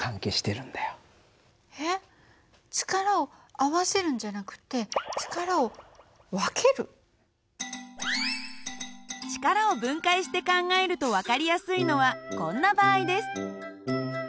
えっ力を合わせるんじゃなくて力を分解して考えると分かりやすいのはこんな場合です。